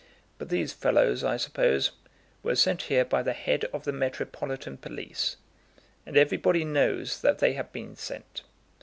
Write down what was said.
But these fellows, I suppose, were sent here by the head of the metropolitan police; and everybody knows that they have been sent.